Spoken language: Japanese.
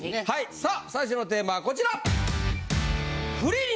さあ最初のテーマはこちら！